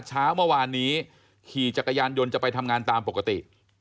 เช้าเมื่อวานนี้ขี่จักรยานยนต์จะไปทำงานตามปกติ